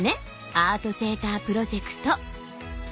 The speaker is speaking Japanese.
アートセータープロジェクト。